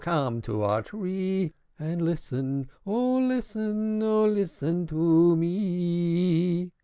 come to our tree, And listen, oh! listen, oh! listen to me!"